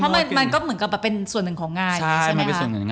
เพราะมันก็เหมือนกับเป็นส่วนหนึ่งของงานใช่ไหมคะ